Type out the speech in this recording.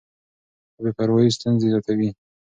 خو بې پروايي ستونزې زیاتوي.